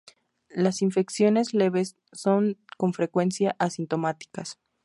Las infecciones leves son con frecuencia asintomáticas.